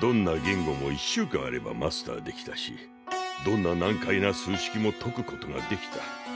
どんな言語も１週間あればマスターできたしどんな難解な数式も解くことができた。